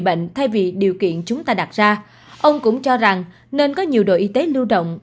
bệnh thay vì điều kiện chúng ta đặt ra ông cũng cho rằng nên có nhiều đội y tế lưu động